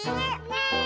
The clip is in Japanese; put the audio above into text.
ねえ！